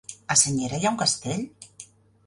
A Senyera hi ha un castell?